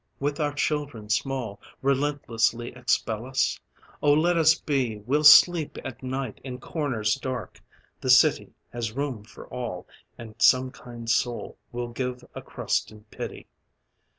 With our children small Relentlessly expel us? Oh let us be! We'll sleep at night In corners dark; the city Has room for all! And some kind soul Will give a crust in pity.